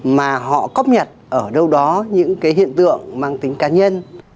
mà họ cóp nhật ở đâu đó những cái hiện tượng mang tính cá nhân